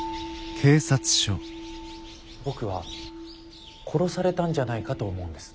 僕は殺されたんじゃないかと思うんです。